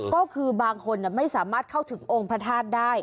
ก็คือบางคนไม่สามารถเข้าถึงองค์พระธาตุได้